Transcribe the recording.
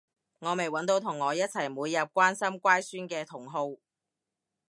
我未搵到同我一齊每日關心乖孫嘅同好